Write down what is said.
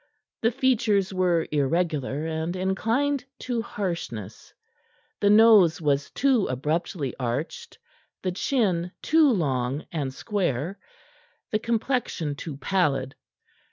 The features were irregular and inclined to harshness, the nose was too abruptly arched, the chin too long and square, the complexion too pallid.